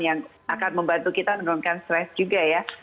yang akan membantu kita menurunkan stres juga ya